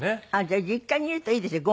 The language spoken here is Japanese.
じゃあ実家にいるといいですね。